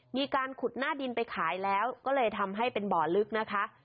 มีการขุดหน้าดินไปขายแล้วก็เลยทำให้เป็นบ่อลึกนะคะ